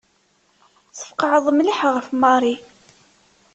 Tfeqɛeḍ mliḥ ɣef Mary.